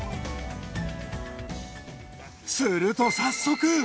すると早速。